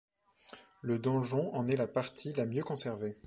Le donjon en est la partie la mieux conservée.